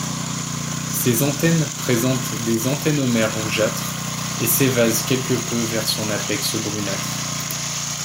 Ses antennes présentent des antennomères rougeâtres, et s'évasent quelque peu vers son apex brunâtre.